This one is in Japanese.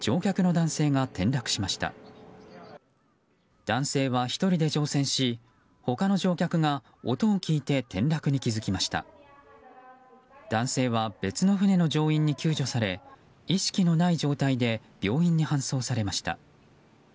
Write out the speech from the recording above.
男性は別の船の乗員に救助され意識のない状態で病院に搬送されました。